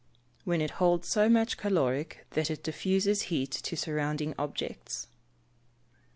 _ When it holds so much caloric that it diffuses heat to surrounding objects.